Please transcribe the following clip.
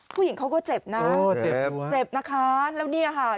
ผู้หญิงเขาก็เจ็บนะเจ็บนะคะแล้วเนี่ยค่ะ